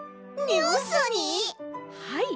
はい。